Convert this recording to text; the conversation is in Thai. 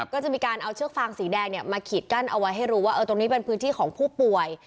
ก็จะมีการเอาเชือกฟางสีแดงมาขีดกั้นเอาไว้ให้รู้ว่าตรงนี้เป็นพื้นที่ของผู้ป่วย